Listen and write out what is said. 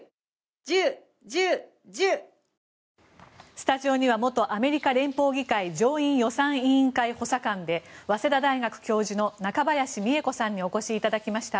スタジオには元アメリカ連邦議会上院予算委員会補佐官で早稲田大学教授の中林美恵子さんにお越しいただきました。